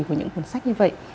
của những cuốn sách như vậy